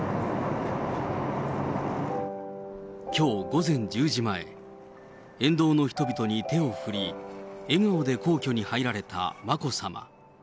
きょう午前１０時前、沿道の人々に手を振り、笑顔で皇居に入られた眞子さま。